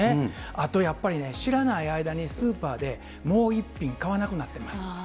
あとやっぱりね、知らない間にスーパーで、もう１品買わなくなってます。